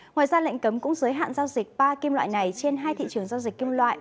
ngoài ra lệnh cấm cũng giới hạn giao dịch ba kim loại này trên hai thị trường giao dịch kim loại